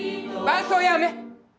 伴奏やめ。